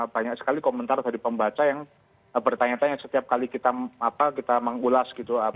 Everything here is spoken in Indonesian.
banyak sekali komentar dari pembaca yang bertanya tanya setiap kali kita mengulas gitu